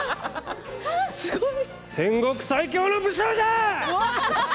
戦国最強の武将じゃ！